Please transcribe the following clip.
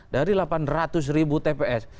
dari delapan ratus tps